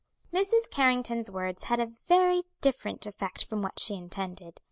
Mrs. Carrington's words had a very different effect from what she intended.